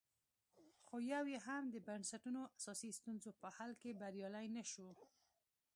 خو یو یې هم د بنسټونو اساسي ستونزو په حل کې بریالي نه شول